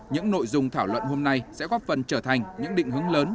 những nội dung thảo luận hôm nay sẽ góp phần trở thành những định hướng lớn